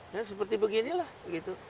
ya seperti beginilah gitu